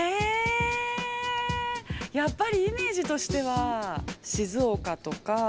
◆やっぱりイメージとしては、静岡とか。